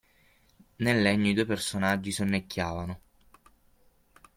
Nel legno i due personaggi sonnecchiavano.